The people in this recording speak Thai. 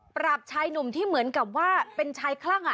ชายหนุ่มที่เหมือนกับว่าเป็นชายคลั่ง